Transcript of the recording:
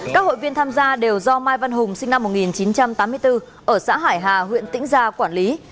các hội viên tham gia đều do mai văn hùng sinh năm một nghìn chín trăm tám mươi bốn ở xã hải hà huyện tĩnh gia quản lý